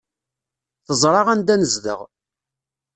Teẓra anda nezdeɣ.